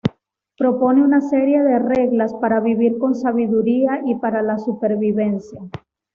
Propone una serie de reglas para vivir con sabiduría y para la supervivencia.